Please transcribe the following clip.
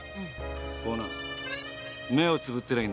こうな目をつぶってりゃいいんだよ。